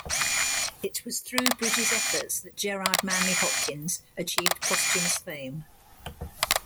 It was through Bridges' efforts that Gerard Manley Hopkins achieved posthumous fame.